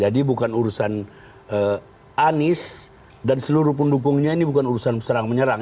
jadi bukan urusan anies dan seluruh pendukungnya ini bukan urusan serang menyerang